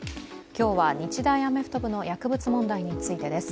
今日は日大アメフト部の薬物問題についてです